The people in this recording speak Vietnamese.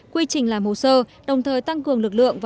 quy trình làm hồ sơ đồng thời tăng cường lực lượng